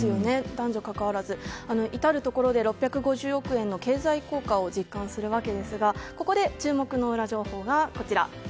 男女かかわらず、至るところで６５０億円の経済効果を実感するわけですがここで注目のウラ情報がこちら。